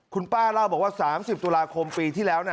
คุณป้าเล่าบอกว่า๓๐ตุลาคมปีที่แล้วนะ